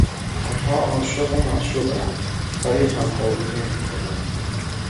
آنها عاشق و معشوقاند ولی همخوابگی نمیکنند.